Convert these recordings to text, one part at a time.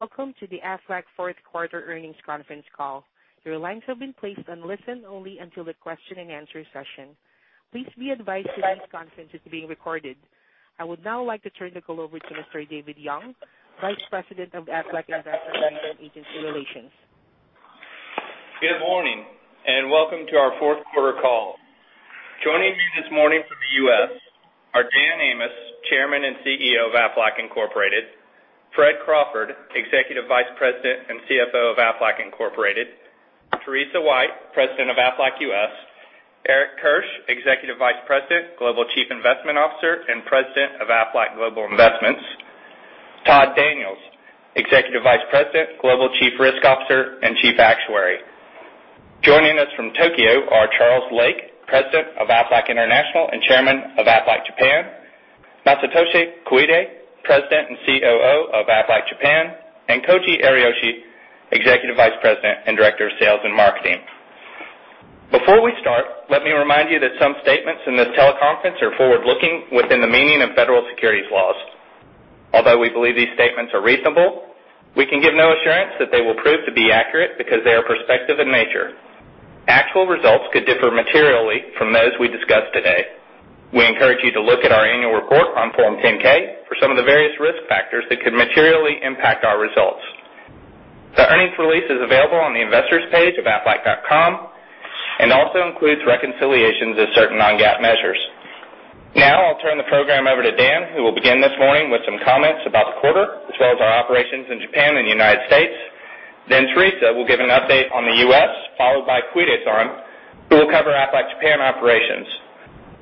Welcome to the Aflac fourth quarter earnings conference call. Your lines have been placed on listen only until the question and answer session. Please be advised that this conference is being recorded. I would now like to turn the call over to Mr. David Young, Vice President of Aflac Investor Relations. Good morning, welcome to our fourth quarter call. Joining me this morning from the U.S. are Dan Amos, Chairman and CEO of Aflac Incorporated, Fred Crawford, Executive Vice President and CFO of Aflac Incorporated, Teresa White, President of Aflac U.S., Eric Kirsch, Executive Vice President, Global Chief Investment Officer, and President of Aflac Global Investments, Todd Daniels, Executive Vice President, Global Chief Risk Officer and Chief Actuary. Joining us from Tokyo are Charles Lake, President of Aflac International and Chairman of Aflac Japan, Masatoshi Koide, President and COO of Aflac Japan, and Koji Ariyoshi, Executive Vice President and Director of Sales and Marketing. Before we start, let me remind you that some statements in this teleconference are forward-looking within the meaning of federal securities laws. Although we believe these statements are reasonable, we can give no assurance that they will prove to be accurate because they are prospective in nature. Actual results could differ materially from those we discuss today. We encourage you to look at our annual report on Form 10-K for some of the various risk factors that could materially impact our results. The earnings release is available on the investors page of aflac.com and also includes reconciliations of certain non-GAAP measures. I'll turn the program over to Dan, who will begin this morning with some comments about the quarter, as well as our operations in Japan and the United States. Teresa will give an update on the U.S., followed by Koide-san, who will cover Aflac Japan operations.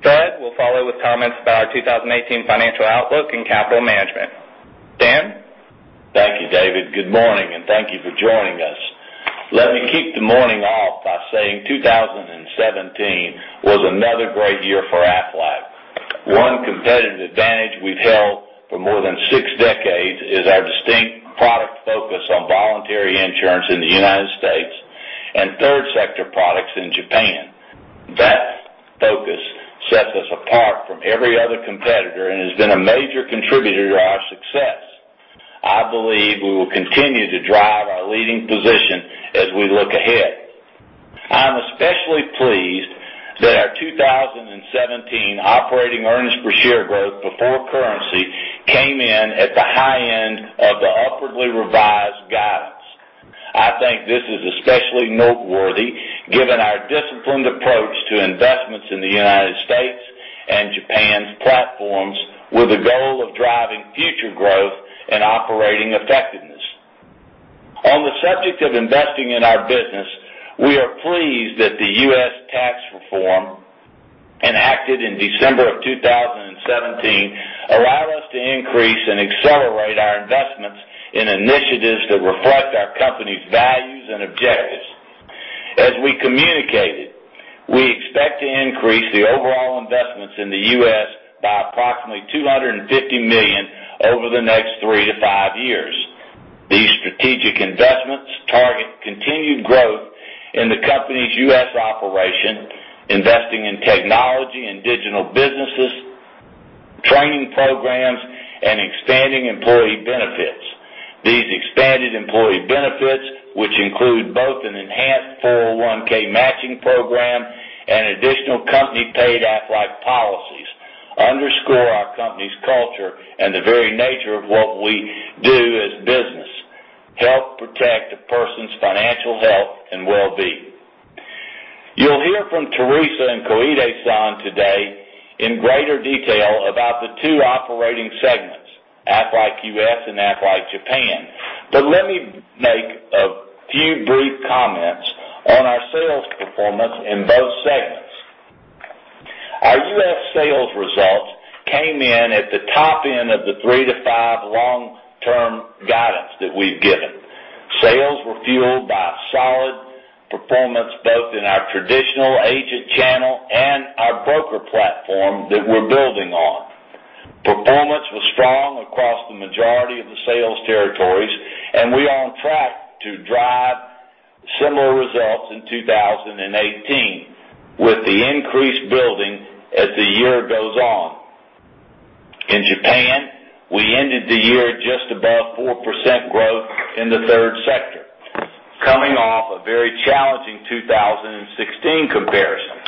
Fred will follow with comments about our 2018 financial outlook and capital management. Dan? Thank you, David. Good morning, thank you for joining us. Let me kick the morning off by saying 2017 was another great year for Aflac. One competitive advantage we've held for more than six decades is our distinct product focus on voluntary insurance in the United States and third sector products in Japan. That focus sets us apart from every other competitor and has been a major contributor to our success. I believe we will continue to drive our leading position as we look ahead. I'm especially pleased that our 2017 operating earnings per share growth before currency came in at the high end of the upwardly revised guidance. I think this is especially noteworthy given our disciplined approach to investments in the United States and Japan's platforms with a goal of driving future growth and operating effectiveness. On the subject of investing in our business, we are pleased that the U.S. tax reform enacted in December 2017 allow us to increase and accelerate our investments in initiatives that reflect our company's values and objectives. As we communicated, we expect to increase the overall investments in the U.S. by approximately $250 million over the next three to five years. These strategic investments target continued growth in the company's U.S. operation, investing in technology and digital businesses, training programs, and expanding employee benefits. These expanded employee benefits, which include both an enhanced 401(k) matching program and additional company paid Aflac policies, underscore our company's culture and the very nature of what we do as business, help protect a person's financial health and well-being. You'll hear from Teresa and Koide-san today in greater detail about the two operating segments, Aflac U.S. and Aflac Japan. Let me make a few brief comments on our sales performance in both segments. Our U.S. sales results came in at the top end of the 3-5 long-term guidance that we've given. Sales were fueled by solid performance both in our traditional agent channel and our broker platform that we're building on. Performance was strong across the majority of the sales territories, and we are on track to drive similar results in 2018 with the increased building as the year goes on. In Japan, we ended the year just above 4% growth in the third sector, coming off a very challenging 2016 comparison.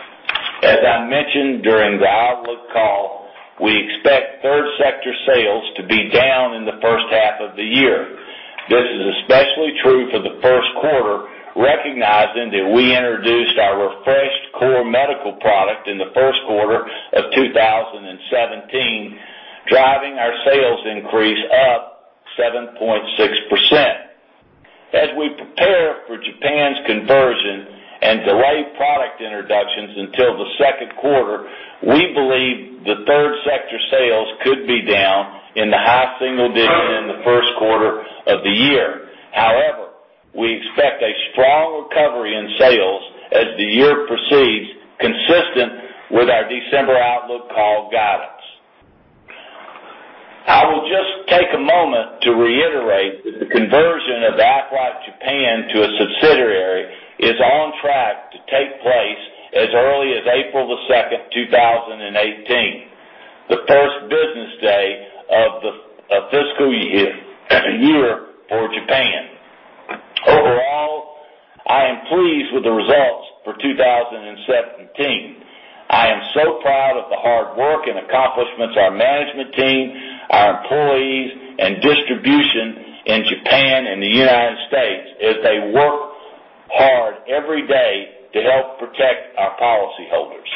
As I mentioned during the outlook call, we expect third sector sales to be down in the first half of the year. This is especially true for the first quarter, recognizing that we introduced our refreshed core medical product in the first quarter 2017, driving our sales increase up 7.6%. As we prepare for Japan's conversion and delay product introductions until the second quarter, we believe that third sector sales could be down in the high single digits in the first quarter of the year. However, we expect a strong recovery in sales as the year proceeds, consistent with our December outlook call guidance. I will just take a moment to reiterate that the conversion of Aflac Japan to a subsidiary is to take place as early as April 2, 2018, the first business day of the fiscal year for Japan. Overall, I am pleased with the results for 2017. I am so proud of the hard work and accomplishments our management team, our employees, and distribution in Japan and the United States as they work hard every day to help protect our policyholders.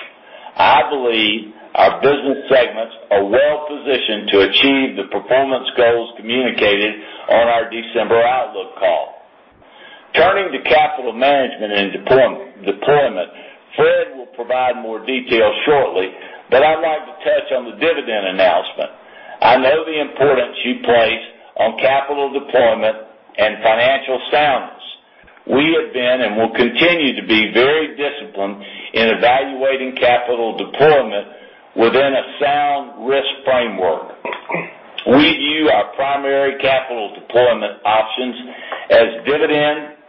I believe our business segments are well-positioned to achieve the performance goals communicated on our December outlook call. Turning to capital management and deployment, Fred will provide more details shortly, but I'd like to touch on the dividend announcement. I know the importance you place on capital deployment and financial soundness. We have been, and will continue to be, very disciplined in evaluating capital deployment within a sound risk framework. We view our primary capital deployment options as dividend,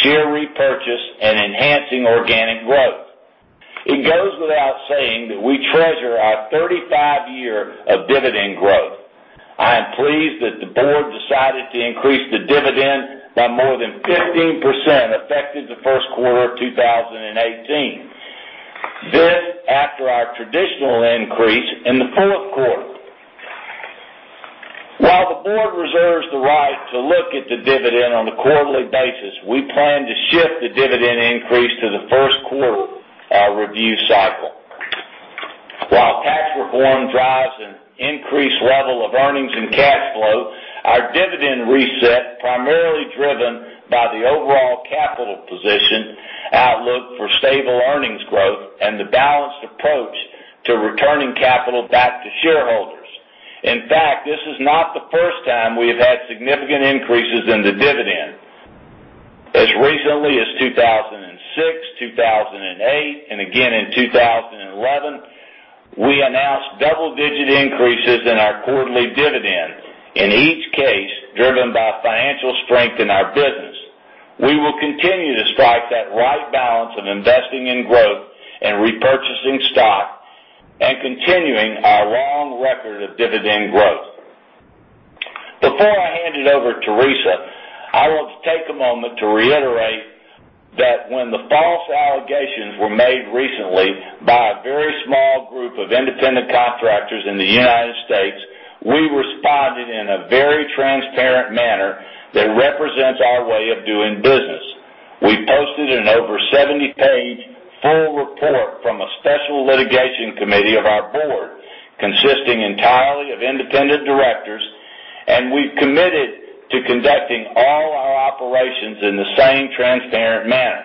share repurchase, and enhancing organic growth. It goes without saying that we treasure our 35 year of dividend growth. I am pleased that the board decided to increase the dividend by more than 15%, effective the first quarter of 2018. This after our traditional increase in the fourth quarter. While the board reserves the right to look at the dividend on a quarterly basis, we plan to shift the dividend increase to the first quarter review cycle. While tax reform drives an increased level of earnings and cash flow, our dividend reset primarily driven by the overall capital position outlook for stable earnings growth and the balanced approach to returning capital back to shareholders. In fact, this is not the first time we have had significant increases in the dividend. As recently as 2006, 2008, and again in 2011, we announced double-digit increases in our quarterly dividend, in each case driven by financial strength in our business. We will continue to strike that right balance of investing in growth and repurchasing stock and continuing our long record of dividend growth. Before I hand it over to Teresa, I want to take a moment to reiterate that when the false allegations were made recently by a very small group of independent contractors in the U.S., we responded in a very transparent manner that represents our way of doing business. We posted an over 70-page full report from a special litigation committee of our board, consisting entirely of independent directors, and we've committed to conducting all our operations in the same transparent manner.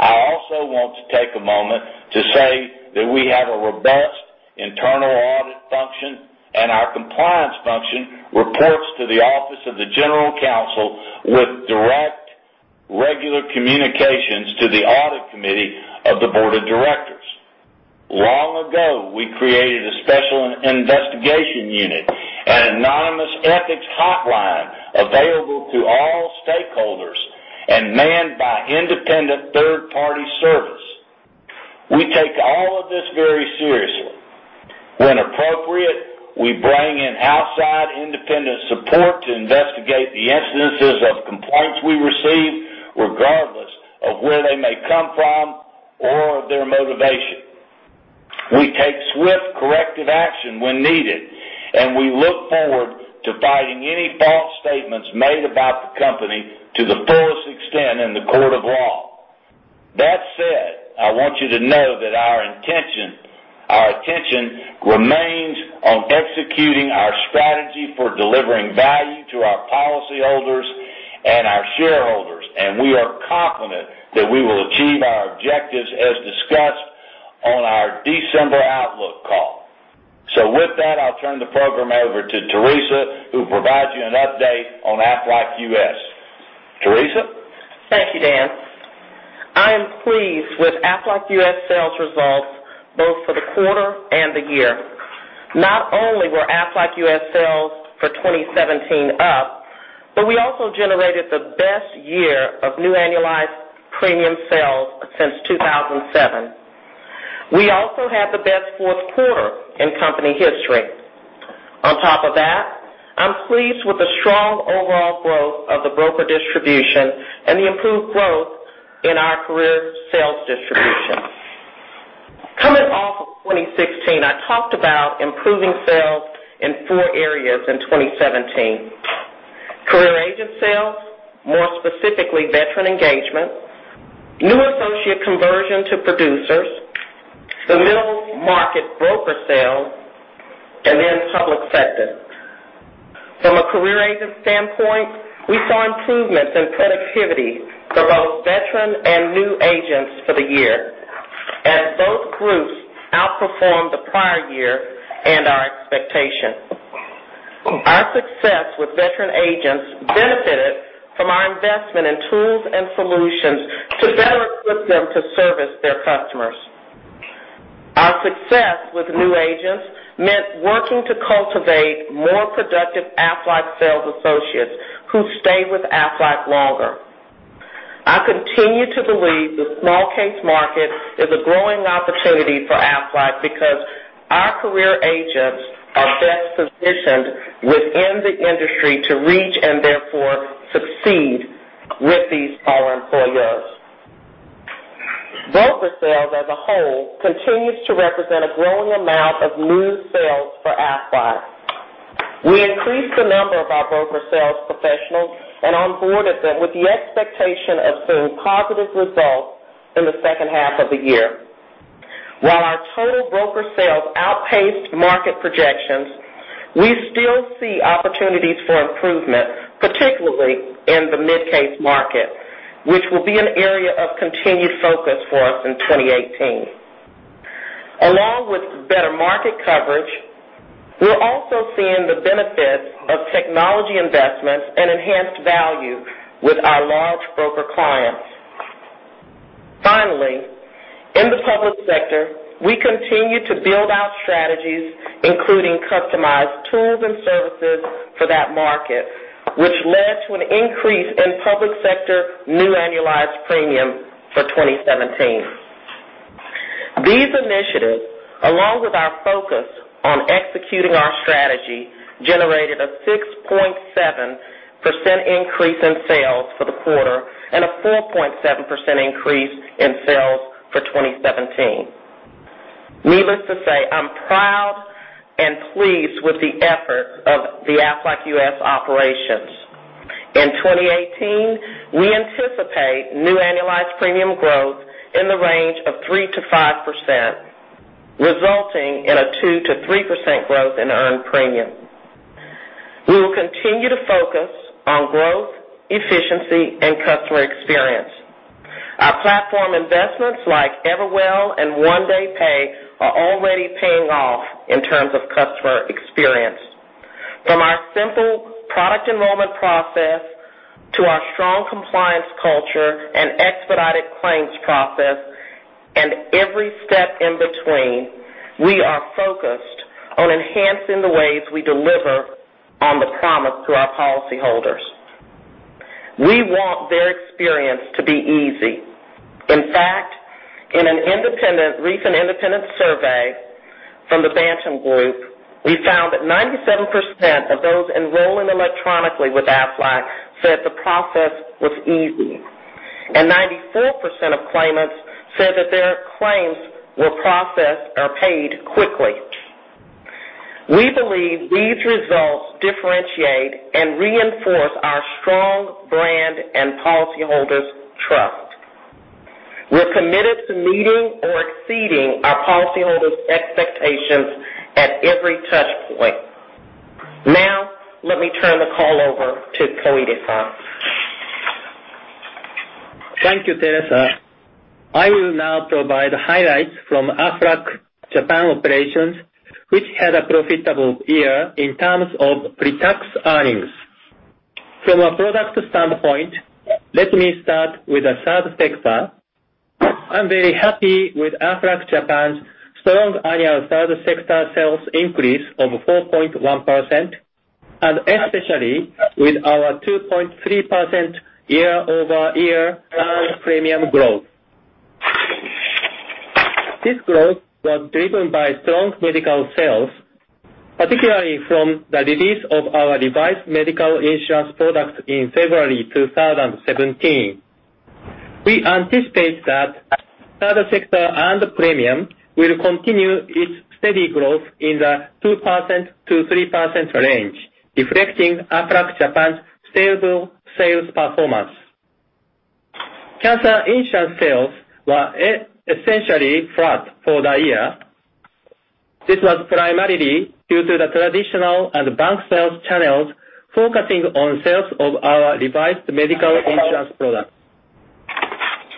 I also want to take a moment to say that we have a robust internal audit function, and our compliance function reports to the Office of the General Counsel with direct, regular communications to the audit committee of the board of directors. Long ago, we created a special investigation unit, an anonymous ethics hotline available to all stakeholders and manned by independent third-party service. We take all of this very seriously. When appropriate, we bring in outside independent support to investigate the incidents of complaints we receive, regardless of where they may come from or of their motivation. We take swift corrective action when needed, and we look forward to fighting any false statements made about the company to the fullest extent in the court of law. That said, I want you to know that our intention, our attention remains on executing our strategy for delivering value to our policyholders and our shareholders, and we are confident that we will achieve our objectives as discussed on our December outlook call. With that, I'll turn the program over to Teresa, who will provide you an update on Aflac U.S. Teresa? Thank you, Dan. I am pleased with Aflac U.S. sales results both for the quarter and the year. Not only were Aflac U.S. sales for 2017 up, but we also generated the best year of new annualized premium sales since 2007. We also had the best fourth quarter in company history. On top of that, I'm pleased with the strong overall growth of the broker distribution and the improved growth in our career sales distribution. Coming off of 2016, I talked about improving sales in four areas in 2017. Career agent sales, more specifically veteran engagement, new associate conversion to producers, the middle market broker sales, and then public sector. From a career agent standpoint, we saw improvements in productivity for both veteran and new agents for the year, and both groups outperformed the prior year and our expectations. Our success with veteran agents benefited from our investment in tools and solutions to better equip them to service their customers. Our success with new agents meant working to cultivate more productive Aflac sales associates who stay with Aflac longer. I continue to believe the small case market is a growing opportunity for Aflac, because our career agents are best positioned within the industry to reach and therefore succeed with these smaller employers. Broker sales as a whole continues to represent a growing amount of new sales for Aflac. We increased the number of our broker sales professionals and onboarded them with the expectation of seeing positive results in the second half of the year. While our total broker sales outpaced market projections, we still see opportunities for improvement, particularly in the mid-case market, which will be an area of continued focus for us in 2018. Along with better market coverage, we're also seeing the benefits of technology investments and enhanced value with our large broker clients. Finally, in the public sector, we continue to build out strategies, including customized tools and services for that market, which led to an increase in public sector new annualized premium for 2017. These initiatives, along with our focus on executing our strategy, generated a 6.7% increase in sales for the quarter and a 4.7% increase in sales for 2017. Needless to say, I'm proud and pleased with the effort of the Aflac U.S. operations. In 2018, we anticipate new annualized premium growth in the range of 3%-5%, resulting in a 2%-3% growth in earned premium. We will continue to focus on growth, efficiency, and customer experience. Our platform investments like Everwell and One Day Pay are already paying off in terms of customer experience. From our simple product enrollment process to our strong compliance culture and expedited claims process and every step in between, we are focused on enhancing the ways we deliver on the promise to our policyholders. We want their experience to be easy. In fact, in a recent independent survey from The Bantam Group, we found that 97% of those enrolling electronically with Aflac said the process was easy, and 94% of claimants said that their claims were processed or paid quickly. We believe these results differentiate and reinforce our strong brand and policyholders' trust. We're committed to meeting or exceeding our policyholders' expectations at every touch point. Let me turn the call over to Masatoshi Koide. Thank you, Teresa. I will now provide highlights from Aflac Japan operations, which had a profitable year in terms of pre-tax earnings. From a product standpoint, let me start with the third sector. I'm very happy with Aflac Japan's strong annual third sector sales increase of 4.1%, and especially with our 2.3% year-over-year earned premium growth. This growth was driven by strong medical sales, particularly from the release of our revised medical insurance product in February 2017. We anticipate that third sector earned premium will continue its steady growth in the 2%-3% range, reflecting Aflac Japan's stable sales performance. Cancer insurance sales were essentially flat for the year. This was primarily due to the traditional and bank sales channels focusing on sales of our revised medical insurance product.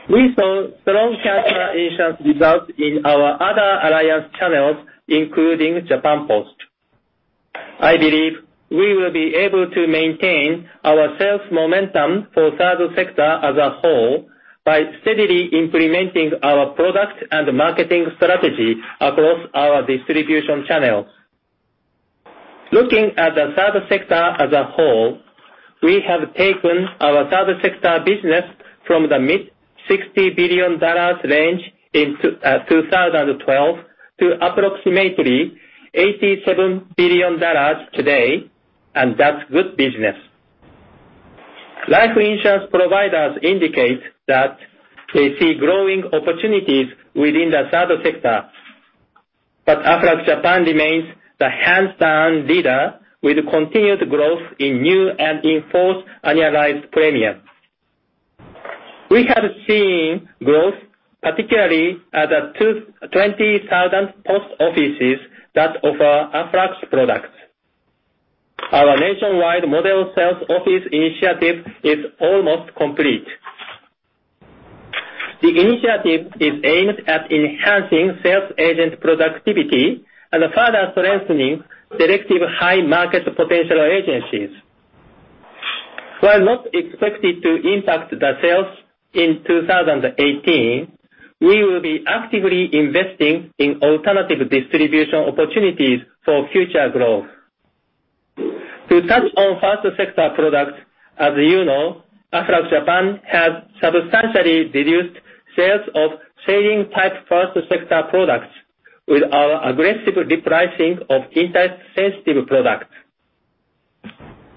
We saw strong cancer insurance results in our other alliance channels, including Japan Post. I believe we will be able to maintain our sales momentum for third sector as a whole by steadily implementing our product and marketing strategy across our distribution channels. Looking at the third sector as a whole, we have taken our third sector business from the mid $60 billion range in 2012 to approximately $87 billion today, and that's good business. Life insurance providers indicate that they see growing opportunities within the third sector, but Aflac Japan remains the hands-down leader with continued growth in new and in-force annualized premium. We have seen growth, particularly at the 20,000 post offices that offer Aflac's products. Our nationwide model sales office initiative is almost complete. The initiative is aimed at enhancing sales agent productivity and further strengthening selective high-market potential agencies. While not expected to impact the sales in 2018, we will be actively investing in alternative distribution opportunities for future growth. To touch on first sector products, as you know, Aflac Japan has substantially reduced sales of saving type first sector products with our aggressive repricing of interest-sensitive products.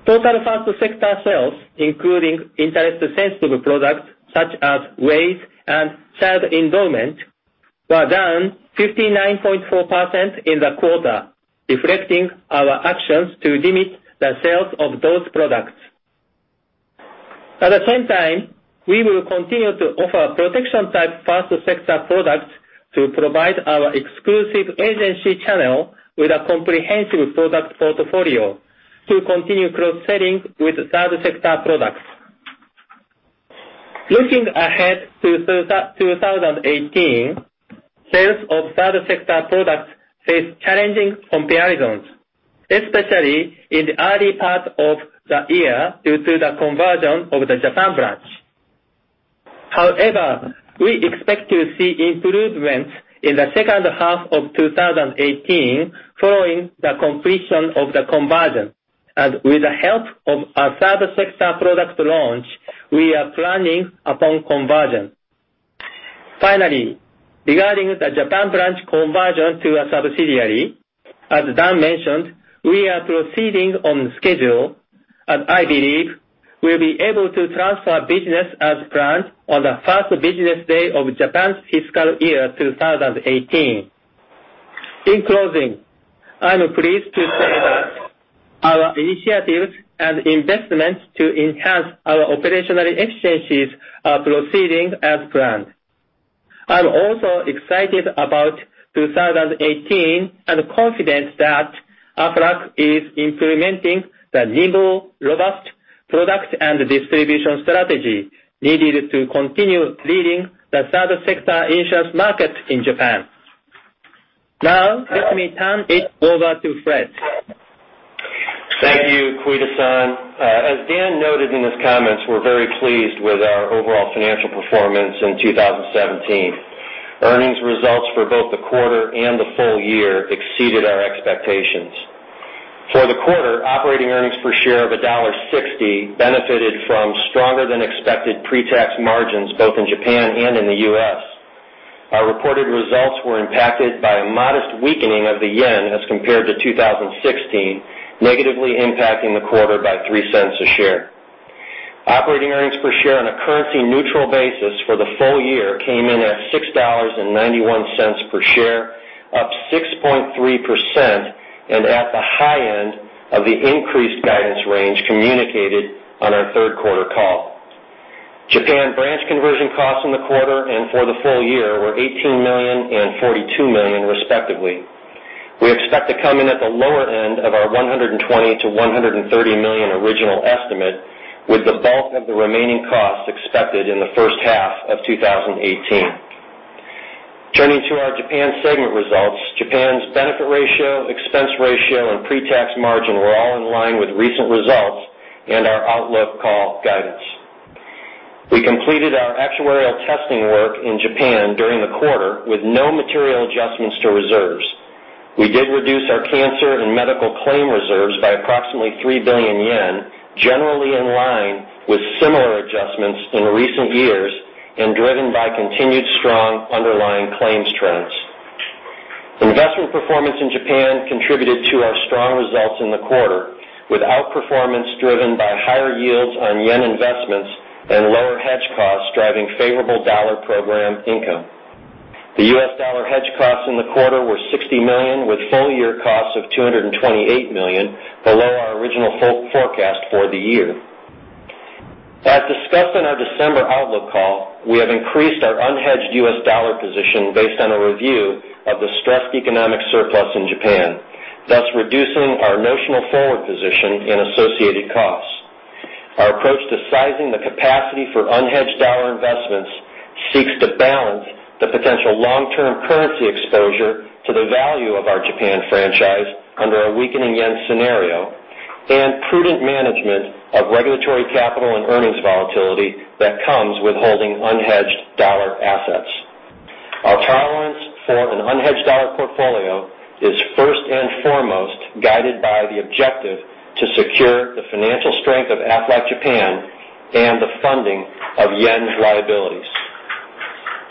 Total first sector sales, including interest-sensitive products such as WAYS and child endowment, were down 59.4% in the quarter, reflecting our actions to limit the sales of those products. At the same time, we will continue to offer protection type first sector products to provide our exclusive agency channel with a comprehensive product portfolio to continue cross-selling with third sector products. Looking ahead to 2018, sales of third sector products face challenging comparisons, especially in the early part of the year due to the conversion of the Japan branch. However, we expect to see improvements in the second half of 2018 following the completion of the conversion. With the help of our third sector product launch, we are planning upon conversion. Finally, regarding the Japan branch conversion to a subsidiary, as Dan mentioned, we are proceeding on schedule, and I believe we'll be able to transfer business as planned on the first business day of Japan's fiscal year 2018. In closing, I'm pleased to say that our initiatives and investments to enhance our operational efficiencies are proceeding as planned. I'm also excited about 2018 and confident that Aflac is implementing the nimble, robust product and distribution strategy needed to continue leading the third sector insurance market in Japan. Now let me turn it over to Fred. Thank you, Koide-san. As Dan noted in his comments, we're very pleased with our overall financial performance in 2017. Earnings results for both the quarter and the full year exceeded our expectations. For the quarter, operating earnings per share of $1.60 benefited from stronger than expected pre-tax margins both in Japan and in the U.S. Our reported results were impacted by a modest weakening of the yen as compared to 2016, negatively impacting the quarter by $0.03 a share. Operating earnings per share on a currency neutral basis for the full year came in at $6.91 per share, up 6.3%, and at the high end of the increased guidance range communicated on our third quarter call. Japan branch conversion costs in the quarter and for the full year were $18 million and $42 million respectively. We expect to come in at the lower end of our $120 million-$130 million original estimate, with the bulk of the remaining costs expected in the first half of 2018. Turning to our Japan segment results, Japan's benefit ratio, expense ratio, and pre-tax margin were all in line with recent results and our outlook call guidance. We completed our actuarial testing work in Japan during the quarter with no material adjustments to reserves. We did reduce our cancer and medical claim reserves by approximately 3 billion yen, generally in line with similar adjustments in recent years, and driven by continued strong underlying claims trends. Investment performance in Japan contributed to our strong results in the quarter, with outperformance driven by higher yields on yen investments and lower hedge costs driving favorable dollar program income. The U.S. dollar hedge costs in the quarter were $60 million, with full year costs of $228 million below our original full forecast for the year. As discussed in our December outlook call, we have increased our unhedged U.S. dollar position based on a review of the stressed economic surplus in Japan, thus reducing our notional forward position in associated costs. Our approach to sizing the capacity for unhedged dollar investments seeks to balance the potential long-term currency exposure to the value of our Japan franchise under a weakening yen scenario, and prudent management of regulatory capital and earnings volatility that comes with holding unhedged dollar assets. Our tolerance for an unhedged dollar portfolio is first and foremost guided by the objective to secure the financial strength of Aflac Japan and the funding of JPY's liabilities.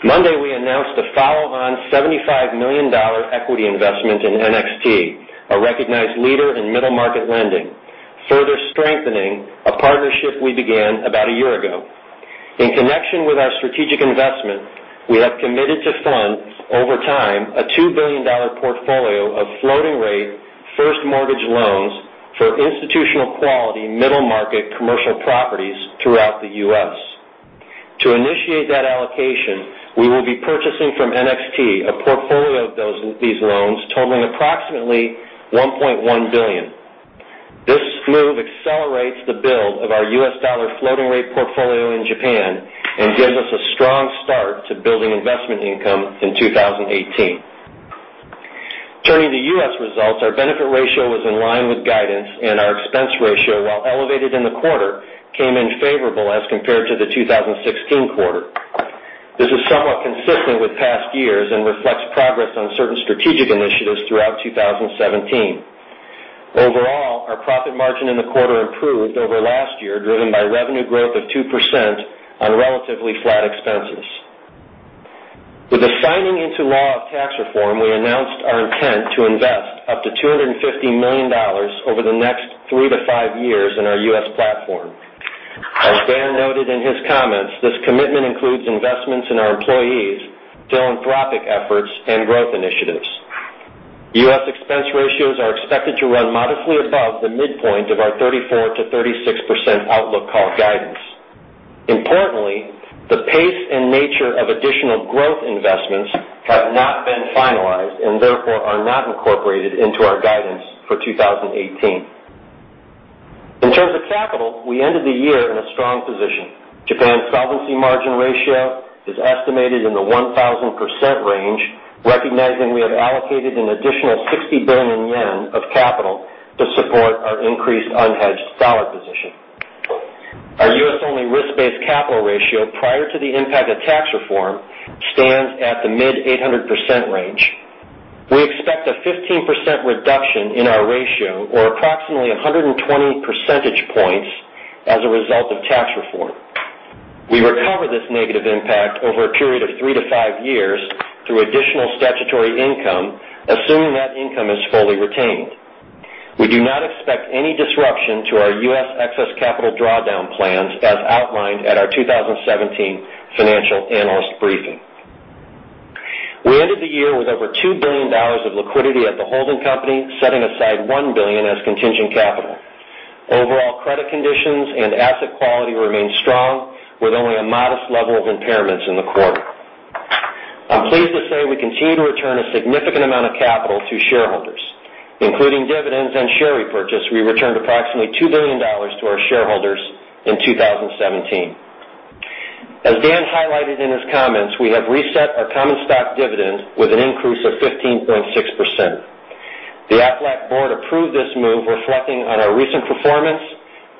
Monday, we announced a follow-on $75 million equity investment in NXT, a recognized leader in middle-market lending, further strengthening a partnership we began about a year ago. In connection with our strategic investment, we have committed to fund, over time, a $2 billion portfolio of floating rate first mortgage loans for institutional quality middle market commercial properties throughout the U.S. To initiate that allocation, we will be purchasing from NXT a portfolio of these loans totaling approximately $1.1 billion. This move accelerates the build of our U.S. dollar floating rate portfolio in Japan and gives us a strong start to building investment income in 2018. Turning to U.S. results, our benefit ratio was in line with guidance and our expense ratio, while elevated in the quarter, came in favorable as compared to the 2016 quarter. This is somewhat consistent with past years and reflects progress on certain strategic initiatives throughout 2017. Overall, our profit margin in the quarter improved over last year, driven by revenue growth of 2% on relatively flat expenses. With the signing into law of tax reform, we announced our intent to invest up to $250 million over the next three to five years in our U.S. platform. As Dan noted in his comments, this commitment includes investments in our employees, philanthropic efforts, and growth initiatives. U.S. expense ratios are expected to run modestly above the midpoint of our 34%-36% outlook call guidance. Importantly, the pace and nature of additional growth investments have not been finalized and therefore are not incorporated into our guidance for 2018. In terms of capital, we ended the year in a strong position. Japan solvency margin ratio is estimated in the 1,000% range, recognizing we have allocated an additional 60 billion yen of capital to support our increased unhedged dollar position. Our U.S. only risk-based capital ratio prior to the impact of tax reform stands at the mid 800% range. We expect a 15% reduction in our ratio or approximately 120 percentage points as a result of tax reform. We recover this negative impact over a period of three to five years through additional statutory income, assuming that income is fully retained. We do not expect any disruption to our U.S. excess capital drawdown plans as outlined at our 2017 Financial Analysts Briefing. We ended the year with over $2 billion of liquidity at the holding company, setting aside $1 billion as contingent capital. Overall credit conditions and asset quality remain strong, with only a modest level of impairments in the quarter. I'm pleased to say we continue to return a significant amount of capital to shareholders, including dividends and share repurchase, we returned approximately $2 billion to our shareholders in 2017. As Dan highlighted in his comments, we have reset our common stock dividend with an increase of 15.6%. The Aflac board approved this move reflecting on our recent performance,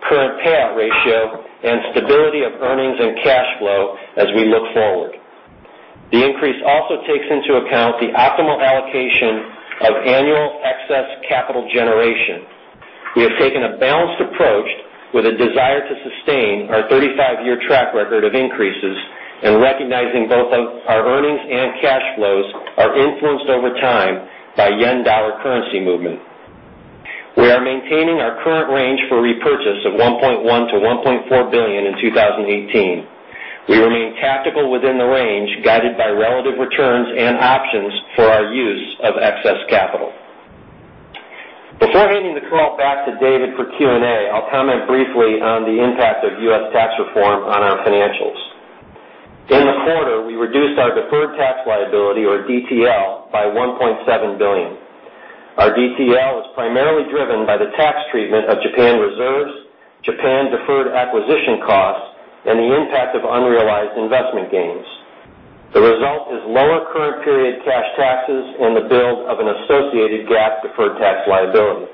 current payout ratio, and stability of earnings and cash flow as we look forward. The increase also takes into account the optimal allocation of annual excess capital generation. We have taken a balanced approach with a desire to sustain our 35-year track record of increases and recognizing both our earnings and cash flows are influenced over time by yen/dollar currency movement. We are maintaining our current range for repurchase of $1.1 billion-$1.4 billion in 2018. We remain tactical within the range, guided by relative returns and options for our use of excess capital. Before handing the call back to David for Q&A, I'll comment briefly on the impact of U.S. tax reform on our financials. In the quarter, we reduced our deferred tax liability or DTL by $1.7 billion. Our DTL is primarily driven by the tax treatment of Japan reserves, Japan deferred acquisition costs, and the impact of unrealized investment gains. The result is lower current period cash taxes and the build of an associated GAAP deferred tax liability.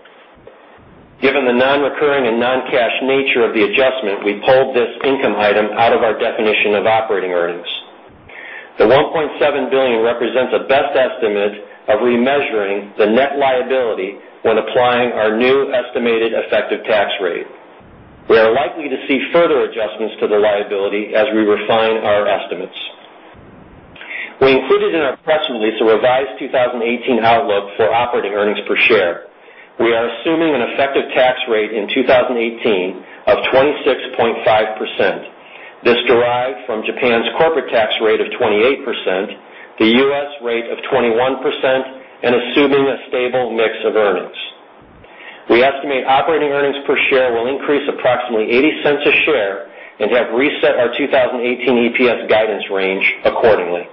Given the non-recurring and non-cash nature of the adjustment, we pulled this income item out of our definition of operating earnings. The $1.7 billion represents a best estimate of remeasuring the net liability when applying our new estimated effective tax rate. We are likely to see further adjustments to the liability as we refine our estimates. We included in our press release a revised 2018 outlook for operating earnings per share. We are assuming an effective tax rate in 2018 of 26.5%. This derived from Japan's corporate tax rate of 28%, the U.S. rate of 21%, and assuming a stable mix of earnings. We estimate operating earnings per share will increase approximately $0.80 a share and have reset our 2018 EPS guidance range accordingly.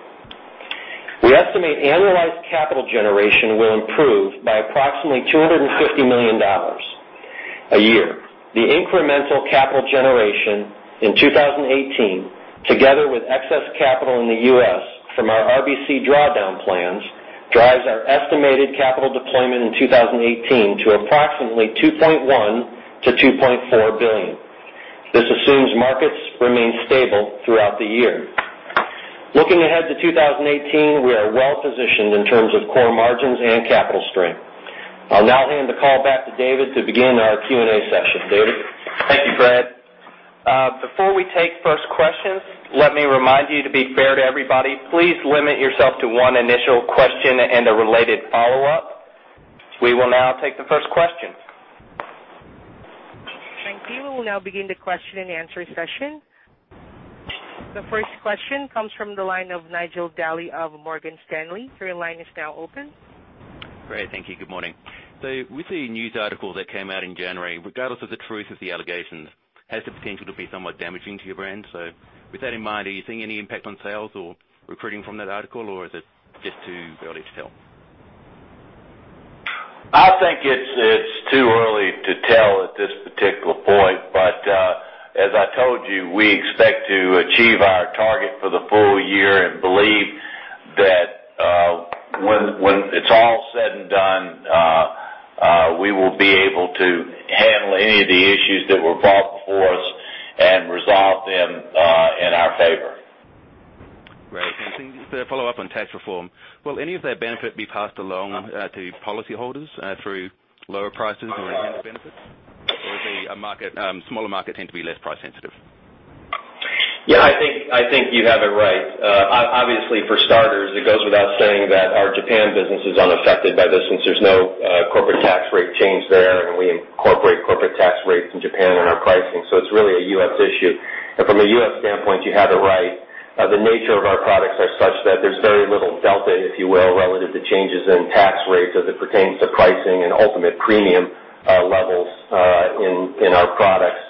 We estimate annualized capital generation will improve by approximately $250 million a year. The incremental capital generation in 2018, together with excess capital in the U.S. from our RBC drawdown plans, drives our estimated capital deployment in 2018 to approximately $2.1 billion to $2.4 billion. This assumes markets remain stable throughout the year. Looking ahead to 2018, we are well-positioned in terms of core margins and capital strength. I'll now hand the call back to David to begin our Q&A session. David? Thank you, Fred. Before we take first questions, let me remind you to be fair to everybody, please limit yourself to one initial question and a related follow-up. We will now take the first question. Thank you. We'll now begin the question and answer session. The first question comes from the line of Nigel Dally of Morgan Stanley. Your line is now open. Great. Thank you. Good morning. With the news article that came out in January, regardless of the truth of the allegations, has the potential to be somewhat damaging to your brand. With that in mind, are you seeing any impact on sales or recruiting from that article, or is it just too early to tell? As I told you, we expect to achieve our target for the full year and believe that when it's all said and done, we will be able to handle any of the issues that were brought before us and resolve them in our favor. Great. To follow up on tax reform, will any of that benefit be passed along to policyholders through lower prices or enhanced benefits? Is a smaller market tend to be less price sensitive? Yeah, I think you have it right. Obviously, for starters, it goes without saying that our Japan business is unaffected by this since there's no corporate tax rate change there, and we incorporate corporate tax rates in Japan in our pricing. It's really a U.S. issue. From a U.S. standpoint, you have it right. The nature of our products are such that there's very little delta, if you will, relative to changes in tax rates as it pertains to pricing and ultimate premium levels in our products.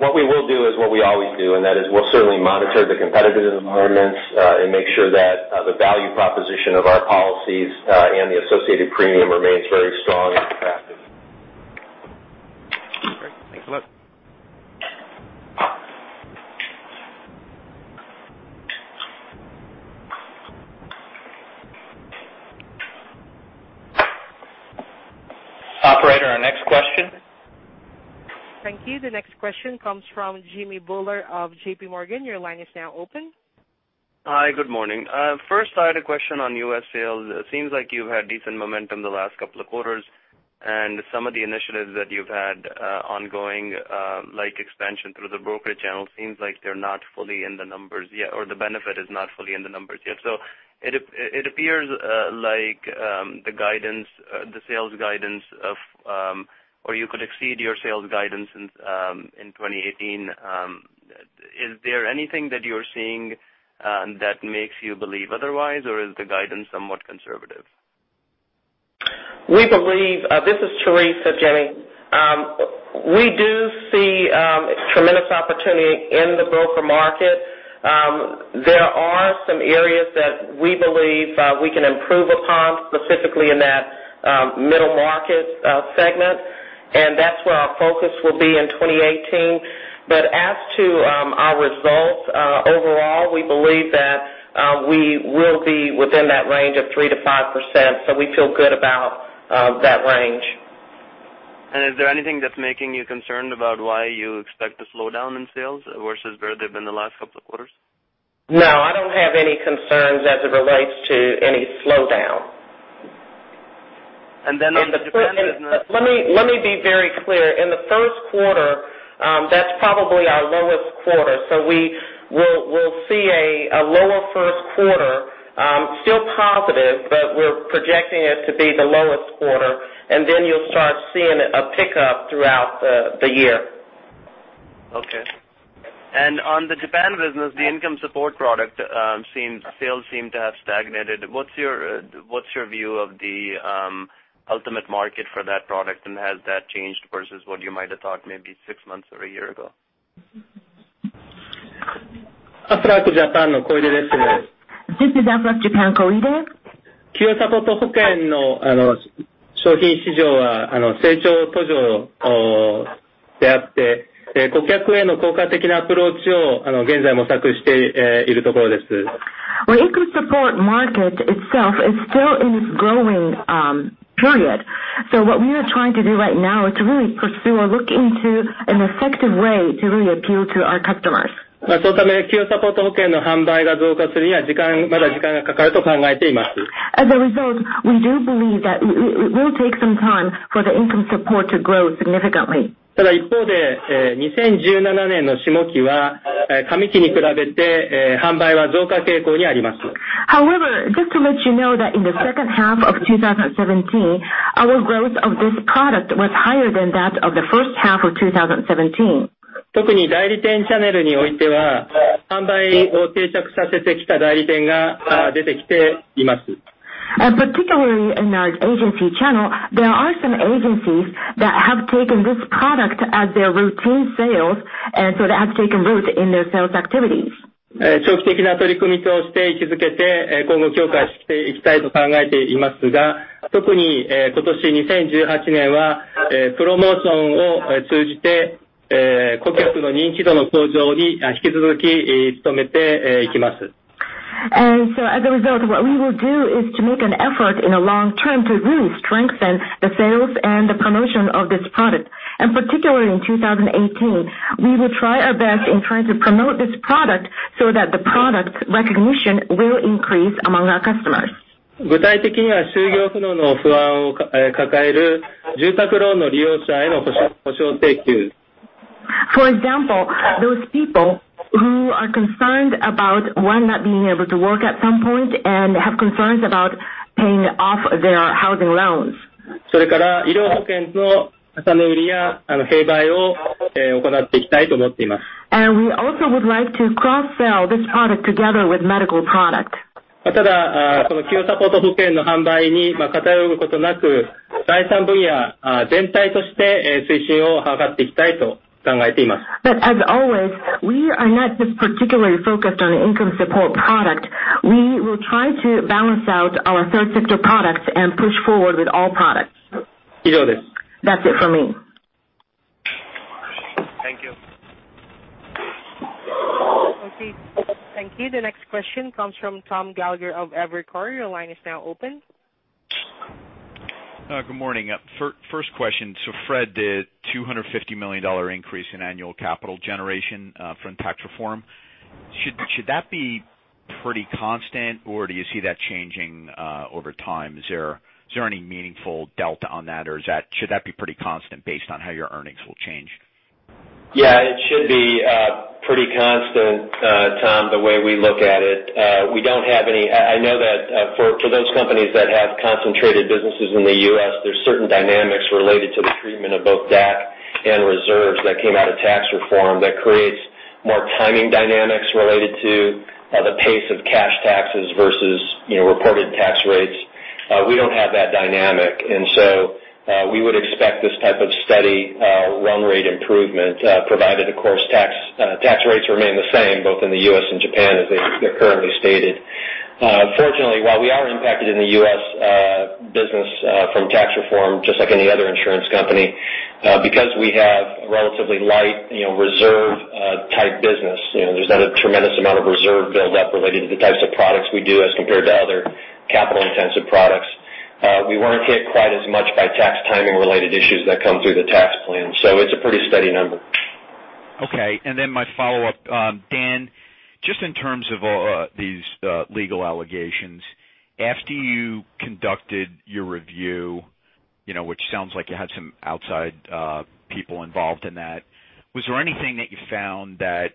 What we will do is what we always do, and that is we'll certainly monitor the competitive movements and make sure that the value proposition of our policies and the associated premium remains very strong and competitive. Great. Thanks a lot. Operator, our next question. Thank you. The next question comes from Jimmy Bhullar of JPMorgan. Your line is now open. Hi, good morning. First, I had a question on U.S. sales. Seems like you've had decent momentum the last couple of quarters and some of the initiatives that you've had ongoing, like expansion through the brokerage channel, seems like they're not fully in the numbers yet, or the benefit is not fully in the numbers yet. It appears like the sales guidance, or you could exceed your sales guidance in 2018. Is there anything that you're seeing that makes you believe otherwise, or is the guidance somewhat conservative? This is Teresa, Jimmy. We do see tremendous opportunity in the broker market. There are some areas that we believe we can improve upon, specifically in that middle market segment, and that's where our focus will be in 2018. As to our results, overall, we believe that we will be within that range of 3%-5%, we feel good about that range. Is there anything that's making you concerned about why you expect a slowdown in sales versus where they've been the last couple of quarters? No, I don't have any concerns as it relates to any slowdown. On the Japan business- Let me be very clear. In the first quarter, that's probably our lowest quarter. We'll see a lower first quarter, still positive, but we're projecting it to be the lowest quarter, and then you'll start seeing a pickup throughout the year. Okay. On the Japan business, the income support product sales seem to have stagnated. What's your view of the ultimate market for that product, and has that changed versus what you might have thought maybe six months or one year ago? This is Aflac Japan, Koide. Our income support market itself is still in its growing period. What we are trying to do right now is to really pursue or look into an effective way to really appeal to our customers. As a result, we do believe that it will take some time for the income support to grow significantly. However, just to let you know that in the second half of 2017, our growth of this product was higher than that of the first half of 2017. Particularly in our agency channel, there are some agencies that have taken this product as their routine sales, so it has taken root in their sales activities. As a result, what we will do is to make an effort in a long-term to really strengthen the sales and the promotion of this product. Particularly in 2018, we will try our best in trying to promote this product so that the product recognition will increase among our customers. For example, those people who are concerned about, one, not being able to work at some point and have concerns about paying off their housing loans. We also would like to cross-sell this product together with medical product. As always. We are not just particularly focused on the income support product. We will try to balance out our third sector products and push forward with all products. That's it from me. Thank you. Okay, thank you. The next question comes from Tom Gallagher of Evercore. Your line is now open. Good morning. First question. Fred, the $250 million increase in annual capital generation from tax reform, should that be pretty constant or do you see that changing over time? Is there any meaningful delta on that, or should that be pretty constant based on how your earnings will change? Yeah, it should be pretty constant, Tom, the way we look at it. I know that for those companies that have concentrated businesses in the U.S., there's certain dynamics related to the treatment of both DAC and reserves that came out of tax reform that creates more timing dynamics related to the pace of cash taxes versus reported tax rates. We don't have that dynamic, we would expect this type of steady run rate improvement, provided, of course, tax rates remain the same, both in the U.S. and Japan as they're currently stated. Fortunately, while we are impacted in the U.S. business from tax reform, just like any other insurance company, because we have a relatively light reserve-type business, there's not a tremendous amount of reserve build-up related to the types of products we do as compared to other capital-intensive products. We weren't hit quite as much by tax timing-related issues that come through the tax plan, it's a pretty steady number. Okay, my follow-up. Dan, just in terms of all these legal allegations, after you conducted your review, which sounds like you had some outside people involved in that, was there anything that you found that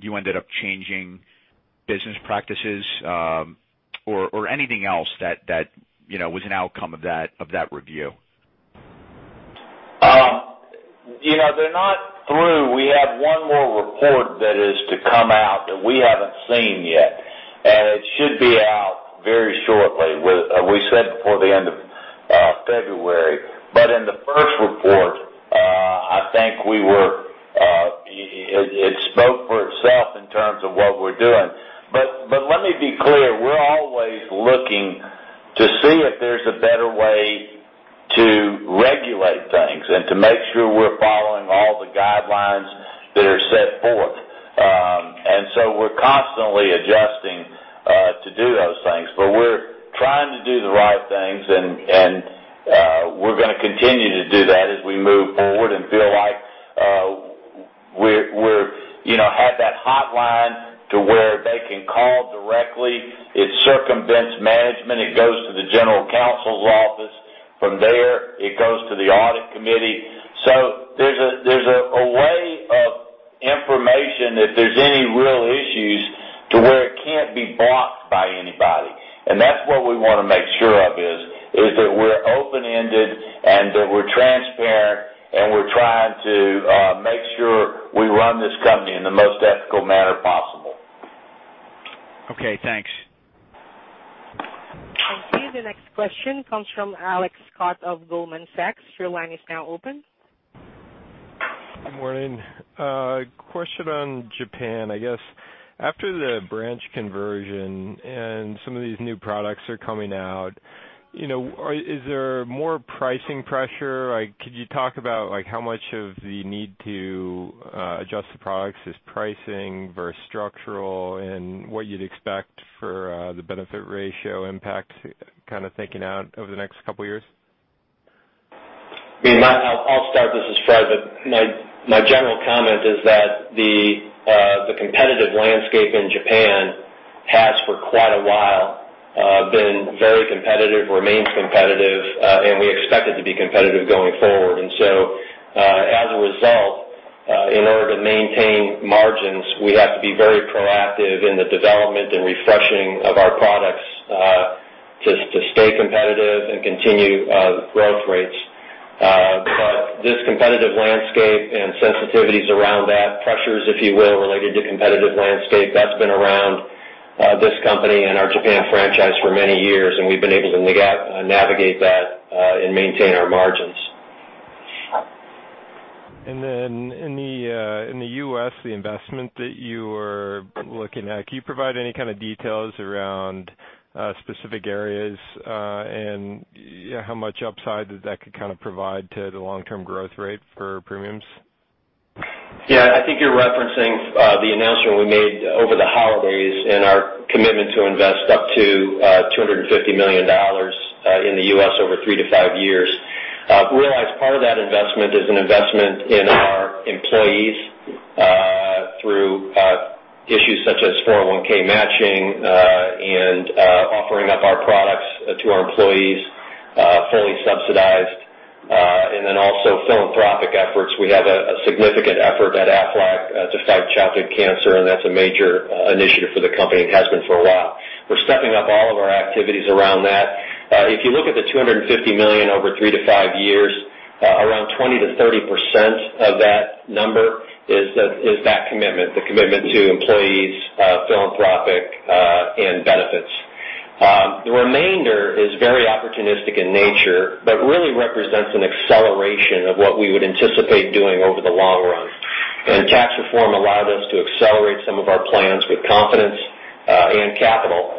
you ended up changing business practices or anything else that was an outcome of that review? They're not through. We have one more report that is to come out that we haven't seen yet, it should be out very shortly. We said before the end of February. In the first report, I think it spoke for itself in terms of what we're doing. Let me be clear, we're always looking to see if there's a better way to regulate things and to make sure we're following all the guidelines that are set forth. We're constantly adjusting to do those things, we're trying to do the right things and we're going to continue to do that as we move forward and feel like we have that hotline to where they can call directly. It circumvents management. It goes to the general counsel's office. From there, it goes to the audit committee. There's a way of information, if there's any real issues, to where it can't be blocked by anybody. That's what we want to make sure of is that we're open-ended and that we're transparent and we're trying to make sure we run this company in the most ethical manner possible. Okay, thanks. Okay. The next question comes from Alex Scott of Goldman Sachs. Your line is now open. Good morning. Question on Japan, I guess. After the branch conversion and some of these new products are coming out, is there more pricing pressure? Could you talk about how much of the need to adjust the products is pricing versus structural and what you'd expect for the benefit ratio impact kind of thinking out over the next couple of years? I'll start this as Fred. My general comment is that the competitive landscape in Japan has for quite a while been very competitive, remains competitive, and we expect it to be competitive going forward. As a result, in order to maintain margins, we have to be very proactive in the development and refreshing of our products to stay competitive and continue growth rates. This competitive landscape and sensitivities around that, pressures, if you will, related to competitive landscape, that's been around this company and our Japan franchise for many years, and we've been able to navigate that and maintain our margins. In the U.S., the investment that you were looking at, can you provide any kind of details around specific areas, and how much upside that could kind of provide to the long-term growth rate for premiums? Yeah, I think you're referencing the announcement we made over the holidays and our commitment to invest up to $250 million in the U.S. over three to five years. Realize part of that investment is an investment in our employees through issues such as 401 matching and offering up our products to our employees fully subsidized, and also philanthropic efforts. We have a significant effort at Aflac to fight Childhood Cancer, and that's a major initiative for the company and has been for a while. We're stepping up all of our activities around that. If you look at the $250 million over three to five years, around 20%-30% of that number is that commitment, the commitment to employees, philanthropic, and benefits. The remaining is very opportunistic in nature, but really represents an acceleration of what we would anticipate doing over the long-run. Tax reform allowed us to accelerate some of our plans with confidence and capital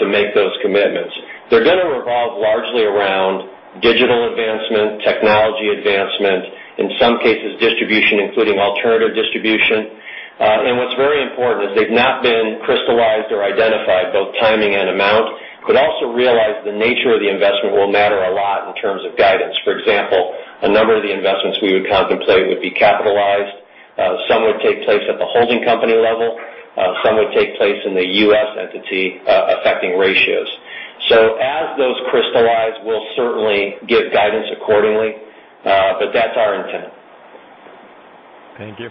to make those commitments. They're going to revolve largely around digital advancement, technology advancement, in some cases, distribution, including alternative distribution. What's very important is they've not been crystallized or identified, both timing and amount, but also realize the nature of the investment will matter a lot in terms of guidance. For example, a number of the investments we would contemplate would be capitalized. Some would take place at the holding company level. Some would take place in the U.S. entity, affecting ratios. As those crystallize, we'll certainly give guidance accordingly. That's our intent. Thank you.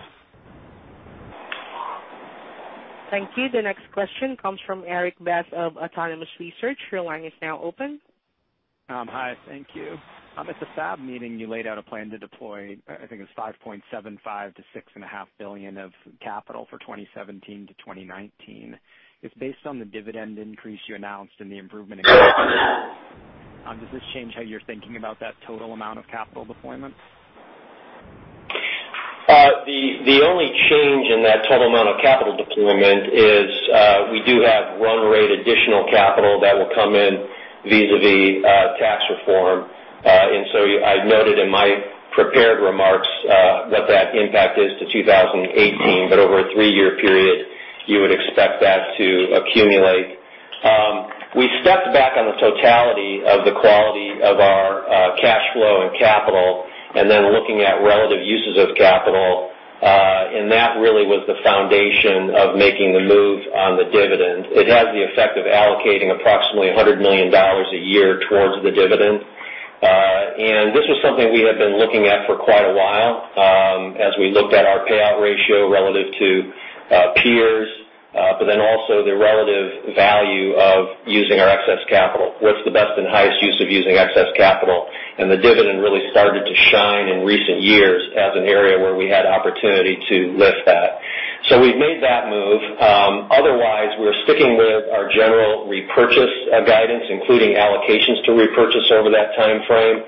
Thank you. The next question comes from Erik Bass of Autonomous Research. Your line is now open. Hi, thank you. At the FAB meeting, you laid out a plan to deploy, I think it was $5.75 billion to $6.5 billion of capital for 2017-2019. Based on the dividend increase you announced and the improvement in, and does this change how you're thinking about that total amount of capital deployment? The only change in that total amount of capital deployment is we do have run rate additional capital that will come in vis-a-vis tax reform. So I noted in my prepared remarks what that impact is to 2018, but over a three-year period, you would expect that to accumulate. We stepped back on the totality of the quality of our cash flow and capital, then looking at relative uses of capital, and that really was the foundation of making the move on the dividend. It has the effect of allocating approximately $100 million a year towards the dividend. This was something we had been looking at for quite a while as we looked at our payout ratio relative to peers, then also the relative value of using our excess capital. What's the best and highest use of using excess capital? The dividend really started to shine in recent years as an area where we had opportunity to lift that. We've made that move. Otherwise, we're sticking with our general repurchase guidance, including allocations to repurchase over that timeframe.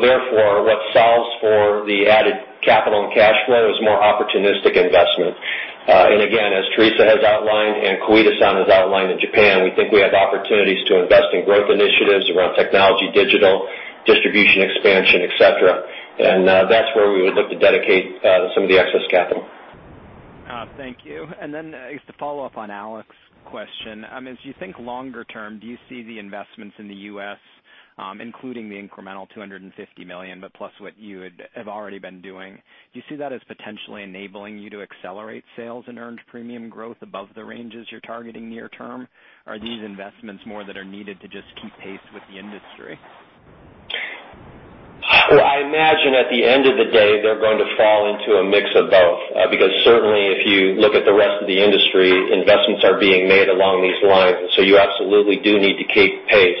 Therefore, what solves for the added capital and cash flow is more opportunistic investment. Again, as Teresa has outlined and Koide-san has outlined in Japan, we think we have opportunities to invest in growth initiatives around technology, digital distribution, expansion, et cetera. That's where we would look to dedicate some of the excess capital. Thank you. Just to follow up on Alex's question, as you think longer term, do you see the investments in the U.S., including the incremental $250 million, plus what you have already been doing, do you see that as potentially enabling you to accelerate sales and earned premium growth above the ranges you're targeting near term? Are these investments more that are needed to just keep pace with the industry? I imagine at the end of the day, they're going to fall into a mix of both, because certainly if you look at the rest of the industry, investments are being made along these lines, you absolutely do need to keep pace.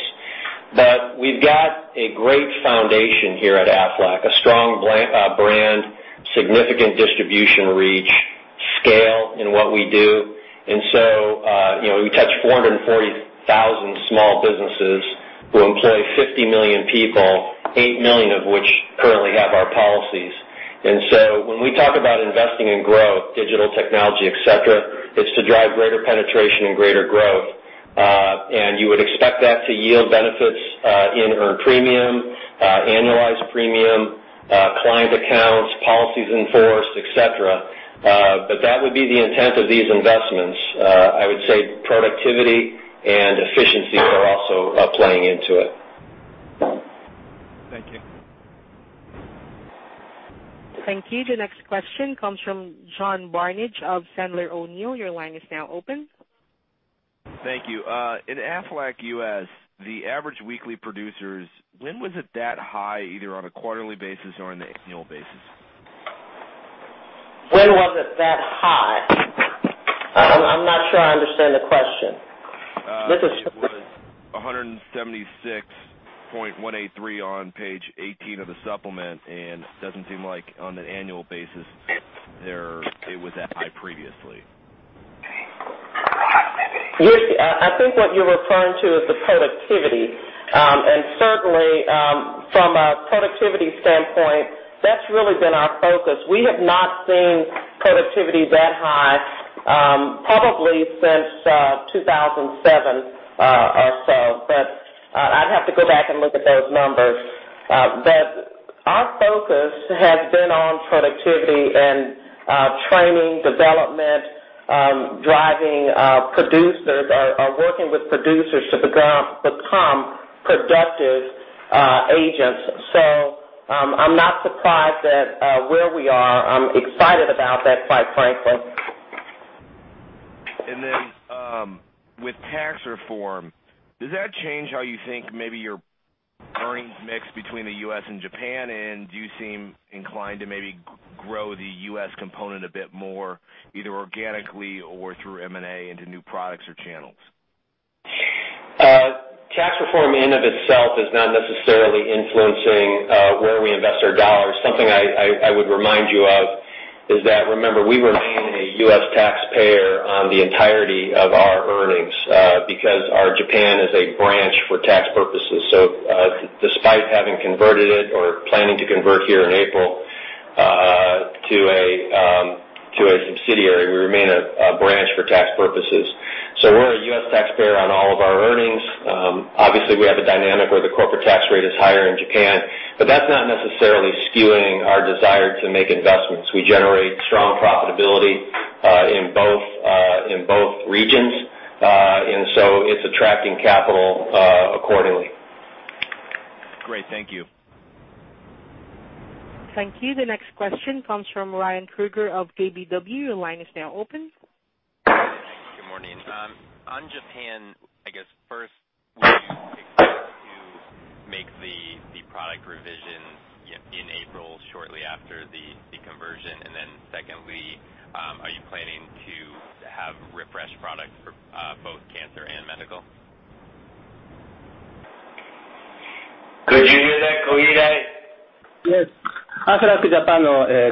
We've got a great foundation here at Aflac, a strong brand, significant distribution reach, scale in what we do. We touch 440,000 small businesses who employ 50 million people, 8 million of which currently have our policies. When we talk about investing in growth, digital technology, et cetera, it's to drive greater penetration and greater growth. You would expect that to yield benefits in earned premium, annualized premium, client accounts, policies in force, et cetera. That would be the intent of these investments. I would say productivity and efficiency are also playing into it. Thank you. Thank you. The next question comes from John Barnidge of Sandler O'Neill. Your line is now open. Thank you. In Aflac U.S., the average weekly producers, when was it that high, either on a quarterly basis or on the annual basis? When was it that high? I'm not sure I understand the question. It was 176.183 on page 18 of the supplement. It doesn't seem like on an annual basis it was that high previously. I think what you're referring to is the productivity. Certainly from a productivity standpoint, that's really been our focus. We have not seen productivity that high probably since 2007 or so. I'd have to go back and look at those numbers. Our focus has been on productivity and training, development, driving producers or working with producers to become productive agents. I'm not surprised at where we are. I'm excited about that, quite frankly. With tax reform, does that change how you think maybe your earnings mix between the U.S. and Japan, and do you seem inclined to maybe grow the U.S. component a bit more, either organically or through M&A into new products or channels? Tax reform in of itself is not necessarily influencing where we invest our $. Something I would remind you of is that, remember, we remain a U.S. taxpayer on the entirety of our earnings, because our Japan is a branch for tax purposes. Despite having converted it or planning to convert here in April to a subsidiary, we remain a branch for tax purposes. We're a U.S. taxpayer on all of our earnings. Obviously, we have a dynamic where the corporate tax rate is higher in Japan, but that's not necessarily skewing our desire to make investments. We generate strong profitability in both regions, it's attracting capital accordingly. Great. Thank you. Thank you. The next question comes from Ryan Krueger of KBW. Your line is now open. Thanks. Good morning. On Japan, I guess first, will you expect to make the product revision in April, shortly after the conversion? Secondly, are you planning to have refreshed products for both cancer and medical? Could you hear that, Koide? Yes. This is Koide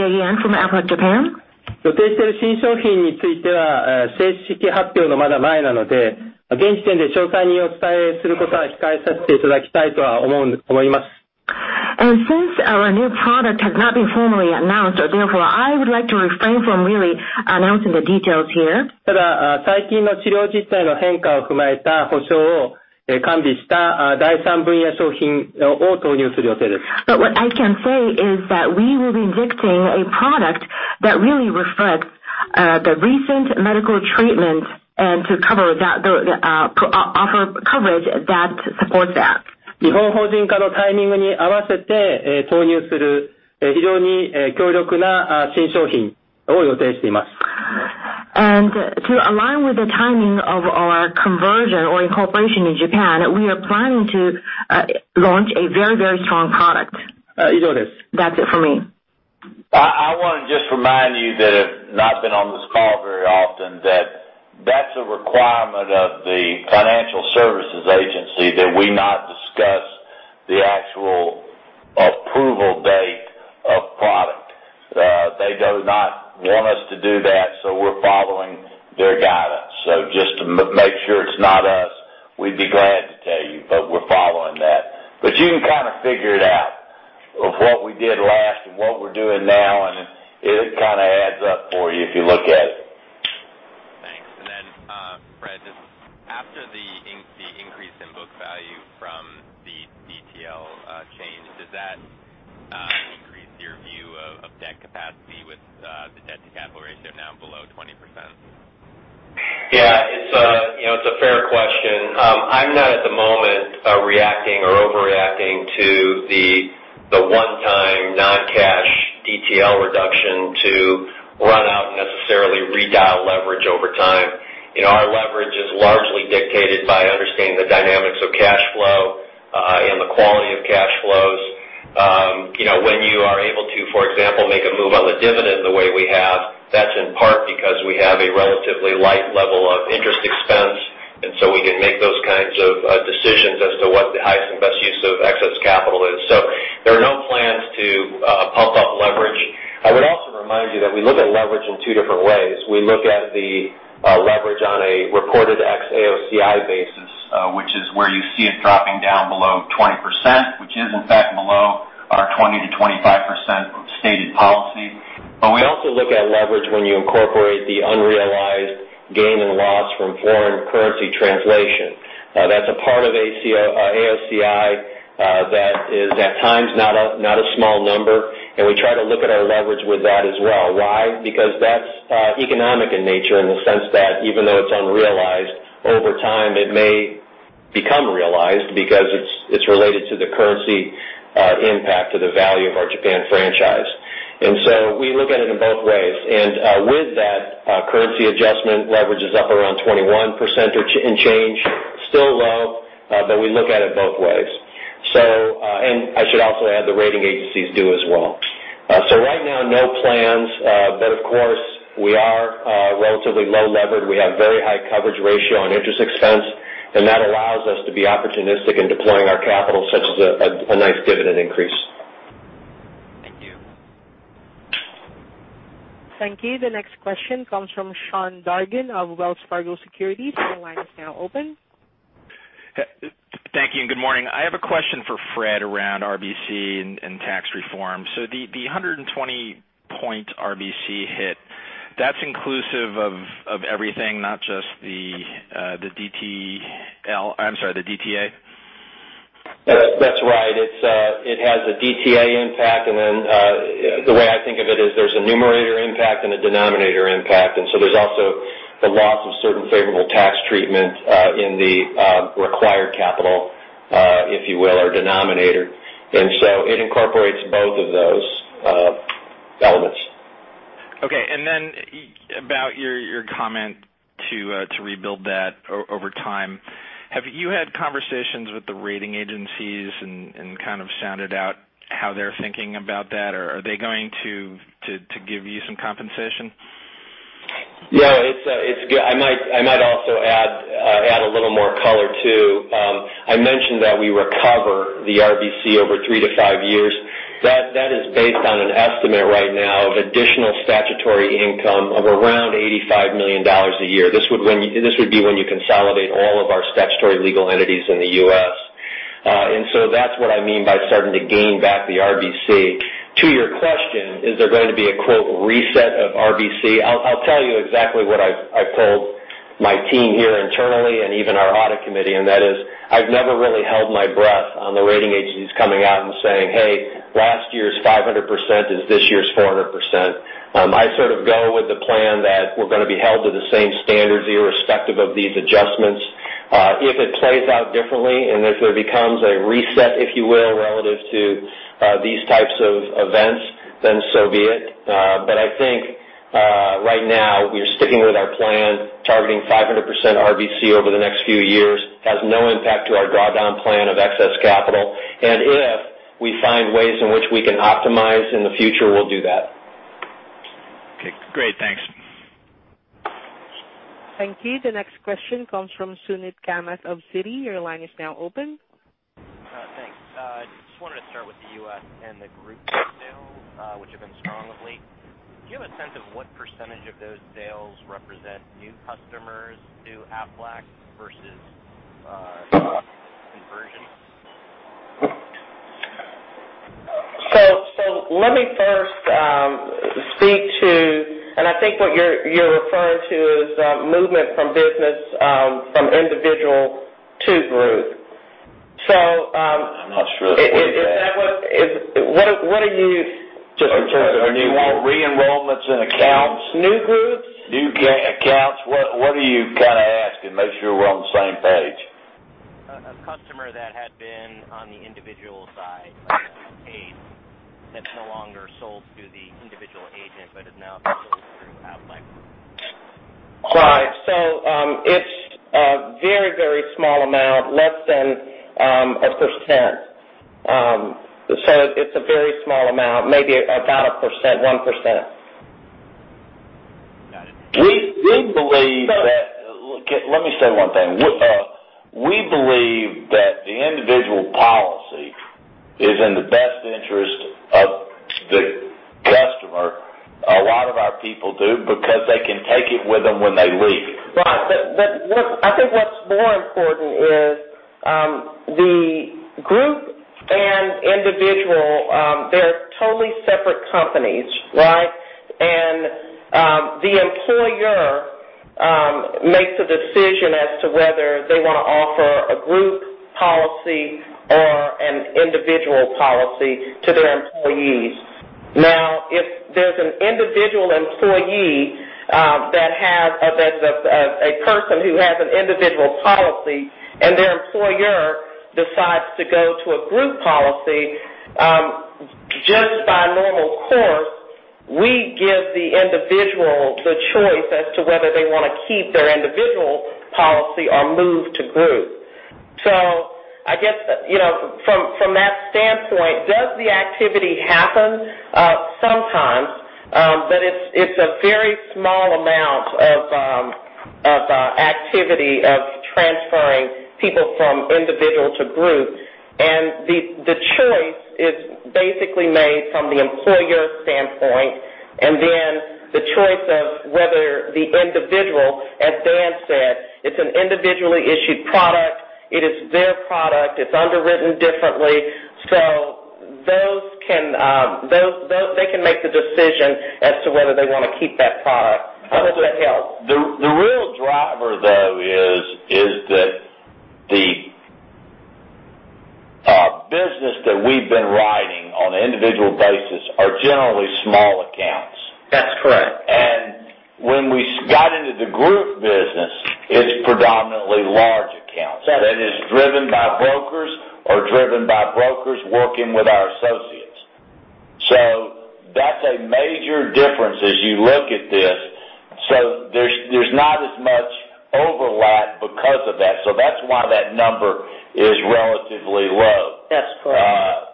again from Aflac Japan. Since our new product has not been formally announced, therefore, I would like to refrain from really announcing the details here. What I can say is that we will be injecting a product that really reflects the recent medical treatment and to offer coverage that supports that. To align with the timing of our conversion or incorporation in Japan, we are planning to launch a very strong product. That's it for me. I want to just remind you that have not been on this call very often, that that's a requirement of the Financial Services Agency that we not discuss the actual approval date of product. They do not want us to do that. We're following their guidance. Just to make sure it's not us, we'd be glad to tell you, but we're following that. You can kind of figure it out of what we did last and what we're doing now, and it kind of adds up for you if you look at it. Thanks. Fred, just after the increase in book value from the DTL change, does that increase your view of debt capacity with the debt-to-capital ratio now below 20%? Yeah. It's a fair question. I'm not at the moment reacting or overreacting to the one-time non-cash DTL reduction to run out and necessarily redial leverage over time. Our leverage is largely dictated by understanding the dynamics of cash flow, and the quality of cash flows. When you are able to, for example, make a move on the dividend the way we have, that's in part because we have a relatively light level of interest expense, and so we can make those kinds of decisions as to what the highest and best use of excess capital is. There are no plans to pump up leverage. I would also remind you that we look at leverage in two different ways. We look at the leverage on a reported ex-AOCI basis, which is where you see it dropping down below 20%, which is, in fact, below our 20%-25% stated policy. We also look at leverage when you incorporate the unrealized gain and loss from foreign currency translation. That's a part of AOCI that is at times not a small number, and we try to look at our leverage with that as well. Why? Because that's economic in nature in the sense that even though it's unrealized, over time, it may become realized because it's related to the currency impact of the value of our Japan franchise. We look at it in both ways. With that currency adjustment, leverage is up around 21% and change. Still low, but we look at it both ways. I should also add the rating agencies do as well. Right now, no plans, but of course, we are relatively low levered. We have very high coverage ratio on interest expense, and that allows us to be opportunistic in deploying our capital, such as a nice dividend increase. Thank you. Thank you. The next question comes from Sean Dargan of Wells Fargo Securities. Your line is now open. Thank you, and good morning. I have a question for Fred around RBC and tax reform. The 120-point RBC hit, that's inclusive of everything, not just the DTA? That's right. It has a DTA impact. The way I think of it is there's a numerator impact and a denominator impact. There's also a loss of certain favorable tax treatment in the required capital, if you will, or denominator. It incorporates both of those elements. Okay. About your comment to rebuild that over time, have you had conversations with the rating agencies and kind of sounded out how they're thinking about that, or are they going to give you some compensation? Yeah. I might also add a little more color, too. I mentioned that we recover the RBC over three to five years. That is based on an estimate right now of additional statutory income of around $85 million a year. This would be when you consolidate all of our statutory legal entities in the U.S. That's what I mean by starting to gain back the RBC. To your question, is there going to be a quote, "reset of RBC?" I'll tell you exactly what I've told my team here internally and even our audit committee, that is, I've never really held my breath on the rating agencies coming out and saying, "Hey, last year's 500% is this year's 400%." I sort of go with the plan that we're going to be held to the same standards, irrespective of these adjustments. If it plays out differently, if it becomes a reset, if you will, relative to these types of events, so be it. I think right now we are sticking with our plan, targeting 500% RBC over the next few years has no impact to our drawdown plan of excess capital. If we find ways in which we can optimize in the future, we'll do that. Okay, great. Thanks. Thank you. The next question comes from Suneet Kamath of Citi. Your line is now open. Thanks. Just wanted to start with the U.S. and the group sales, which have been strong of late. Do you have a sense of what % of those sales represent new customers to Aflac versus conversions? Let me first speak to, I think what you're referring to is movement from business from individual to group. I'm not sure that's what he said. Is that what are you, just in terms of a new group? Are you talking re-enrollments in accounts? New groups? New accounts? What are you kind of asking? Make sure we're on the same page. A customer that had been on the individual side who pays, that's no longer sold through the individual agent, but is now sold through Aflac. Right. It's a very small amount, less than 1%. It's a very small amount, maybe about 1%. Got it. We believe that the individual policy is in the best interest of the customer. A lot of our people do, because they can take it with them when they leave. Right. I think what's more important is the group and individual, they're totally separate companies, right? The employer makes a decision as to whether they want to offer a group policy or an individual policy to their employees. Now, if there's an individual employee that has a person who has an individual policy and their employer decides to go to a group policy, just by normal course, we give the individual the choice as to whether they want to keep their individual policy or move to group. I guess from that standpoint, does the activity happen? Sometimes. It's a very small amount of activity of transferring people from individual to group. The choice is basically made from the employer standpoint, and then the choice of whether the individual, as Dan said, it's an individually issued product. It is their product. It's underwritten differently. They can make the decision as to whether they want to keep that product. I hope that helps. The real driver, though, is that the business that we've been writing on an individual basis are generally small accounts. That's correct. When we got into the group business, it's predominantly large accounts. That's correct. That is driven by brokers or driven by brokers working with our associates. That's a major difference as you look at this. There's not as much overlap because of that. That's why that number is relatively low. That's correct.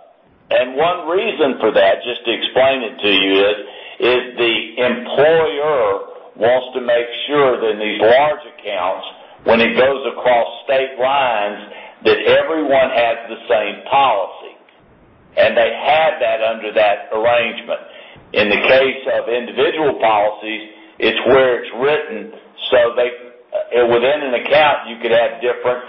One reason for that, just to explain it to you, is the employer wants to make sure that these large accounts, when it goes across state lines, that everyone has the same policy, and they have that under that arrangement. In the case of individual policies, it's where it's written. Within an account, you could have different.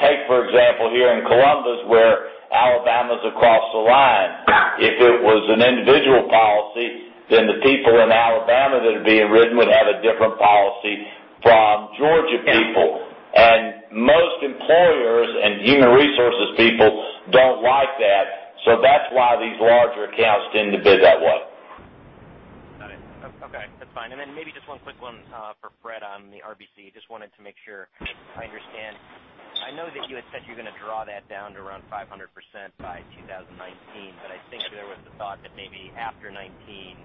Take, for example, here in Columbus, where Alabama's across the line. Right. If it was an individual policy, the people in Alabama that are being written would have a different policy from Georgia people. Yeah. Most employers and human resources people don't like that. That's why these larger accounts tend to bid that way. Got it. Okay, that's fine. Maybe just one quick one for Fred on the RBC. Just wanted to make sure I understand. I know that you had said you're going to draw that down to around 500% by 2019, but I think there was the thought that maybe after 2019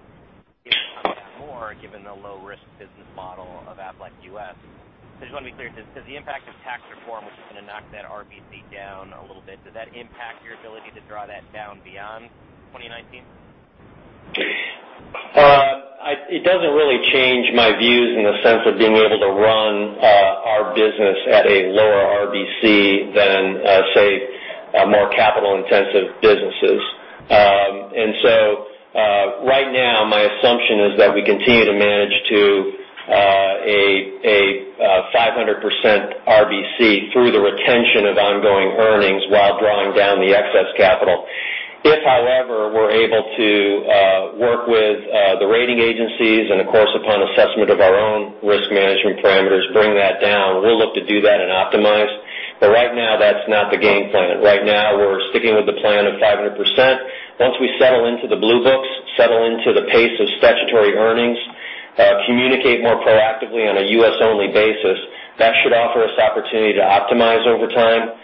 it would come down more given the low-risk business model of Aflac U.S. I just want to be clear, because the impact of tax reform, which is going to knock that RBC down a little bit, does that impact your ability to draw that down beyond 2019? It doesn't really change my views in the sense of being able to run our business at a lower RBC than, say, more capital-intensive businesses. Right now, my assumption is that we continue to manage to a 500% RBC through the retention of ongoing earnings while drawing down the excess capital. If, however, we're able to work with the rating agencies and, of course, upon assessment of our own risk management parameters, bring that down, we'll look to do that and optimize. Right now, that's not the game plan. Right now, we're sticking with the plan of 500%. Once we settle into the Blue Books, settle into the pace of statutory earnings, communicate more proactively on a U.S.-only basis, that should offer us opportunity to optimize over time.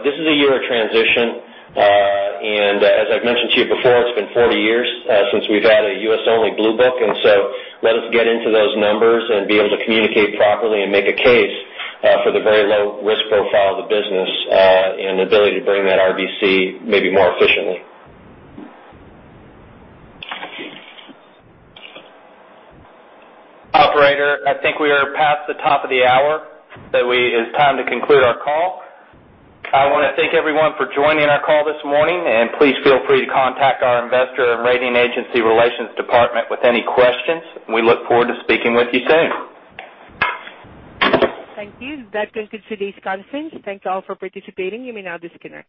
This is a year of transition. As I've mentioned to you before, it's been 40 years since we've had a U.S.-only Blue Book. Let us get into those numbers and be able to communicate properly and make a case for the very low risk profile of the business and ability to bring that RBC maybe more efficiently. Thank you. Operator, I think we are past the top of the hour, that it is time to conclude our call. I want to thank everyone for joining our call this morning. Please feel free to contact our investor and rating agency relations department with any questions. We look forward to speaking with you soon. Thank you. That concludes today's conference. Thanks all for participating. You may now disconnect.